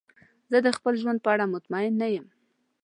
زه د خپل ژوند په اړه مطمئن نه یم.